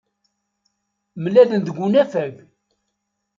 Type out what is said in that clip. Mlalen deg unafag.